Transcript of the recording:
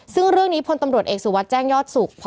ซึ่งเรื่องนี้ผลตำรวจเอกสุวัตรแจ้งยอดศุกร์